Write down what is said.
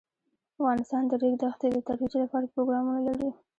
افغانستان د د ریګ دښتې د ترویج لپاره پروګرامونه لري.